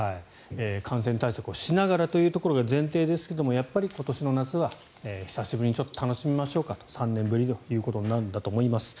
感染対策をしながらということが前提ですがやっぱり今年の夏は久しぶりに楽しみましょうかと、３年ぶりにということなんだと思います。